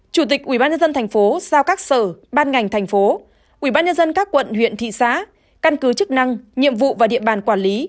chủ tịch ubnd tp giao các sở ban ngành thành phố ubnd các quận huyện thị xã căn cứ chức năng nhiệm vụ và địa bàn quản lý